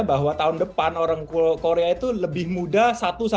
bahwa tahun depan orang korea itu lebih muda satu satu